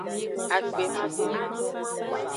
Akpemadomado.